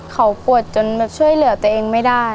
เขาปวดจนแบบช่วยเหลือตัวเองไม่ได้